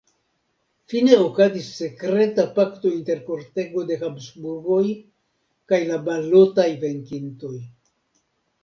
Fine okazis sekreta pakto inter kortego de Habsburgoj kaj la balotaj venkintoj.